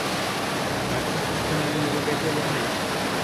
Narcotics কি কখনও এমন মামলা পেয়েছে যেখানে?